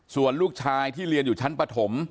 ส่วนลูกชายที่เรียนอยู่ชั้นปฐม